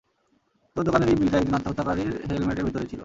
তোর দোকানের এই বিলটা একজন আত্মহত্যাকারীর হেলমেটের ভিতরে ছিল।